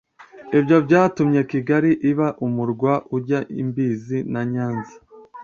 ibyo byatumye kigali iba umurwa ujya imbizi na nyanza